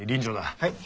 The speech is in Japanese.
はい。